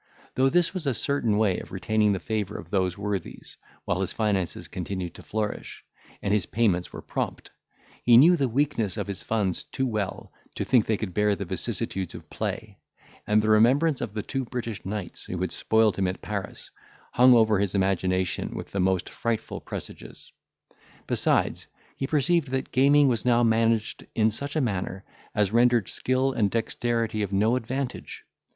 Though this was a certain way of retaining the favour of those worthies, while his finances continued to flourish, and his payments were prompt, he knew the weakness of his funds too well, to think they could bear the vicissitudes of play; and the remembrance of the two British knights who had spoiled him at Paris, hung over his imagination with the most frightful presages. Besides, he perceived that gaming was now managed in such a manner, as rendered skill and dexterity of no advantage.